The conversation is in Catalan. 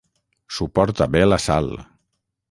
Suporta bé la sal.